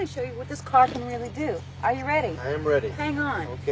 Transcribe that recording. ＯＫ。